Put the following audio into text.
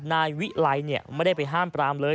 นายวิไลไม่ได้ไปห้ามปรามเลย